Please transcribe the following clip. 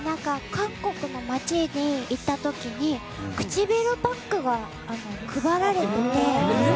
韓国の街に行った時に唇パックが配られてて。